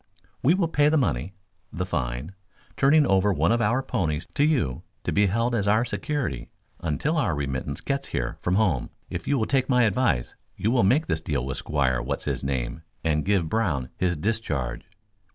"We will pay the money, the fine, turning over one of our ponies to you to be held as security until our remittance gets here from home. If you will take my advice you will make this deal with Squire What's His Name and give Brown his discharge."